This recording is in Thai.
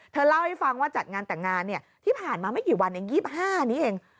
เล่าให้ฟังว่าจัดงานแต่งงานที่ผ่านมาไม่กี่วัน๒๕นี้เอง